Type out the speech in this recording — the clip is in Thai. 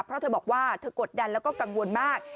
เพราะเธอบอกว่าเธอกดดันแล้วก็กังวลมาก